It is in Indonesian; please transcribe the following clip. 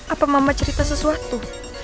apa mama cerita sesuatu